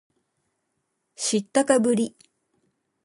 知ったかぶり